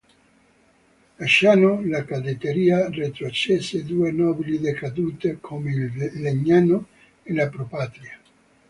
Lasciano la cadetteria retrocesse due nobili decadute come il Legnano e la Pro Patria.